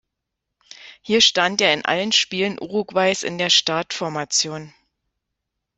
Hier stand er in allen Spielen Uruguays in der Startformation.